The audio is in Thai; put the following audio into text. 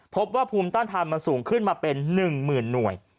พบว่าภูมิต้านทานมันสูงขึ้นมาเป็น๑๐๐๐หน่วย